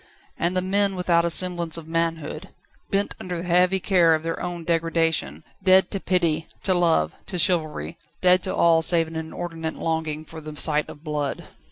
And the men without a semblance of manhood. Bent under the heavy care of their own degradation, dead to pity, to love, to chivalry; dead to all save an inordinate longing for the sight of blood.